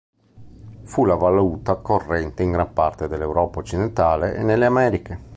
Fu la valuta corrente in gran parte dell'Europa occidentale e nelle Americhe.